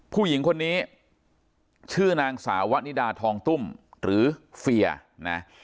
ผู้หญิงคนนี้ชื่อนางสาวะนิดาทองตุ้มหรือเฟียนะ